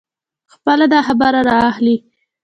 خپله داخبره را اخلي.